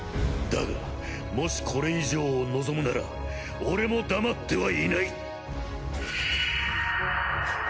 だがもしこれ以上を望むなら俺も黙ってはいない！